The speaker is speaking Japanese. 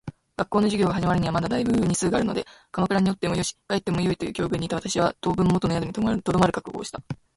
学校の授業が始まるにはまだ大分日数があるので鎌倉におってもよし、帰ってもよいという境遇にいた私は、当分元の宿に留まる覚悟をした。